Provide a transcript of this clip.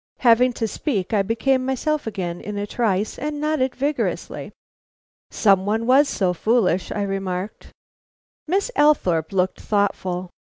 Having to speak, I became myself again in a trice, and nodded vigorously. "Some one was so foolish," I remarked. Miss Althorpe looked thoughtful.